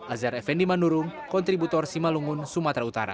azhar effendi manurung kontributor simalungun sumatera utara